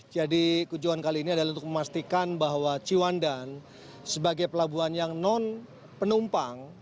jadi tujuan kali ini adalah untuk memastikan bahwa ciwandan sebagai pelabuhan yang non penumpang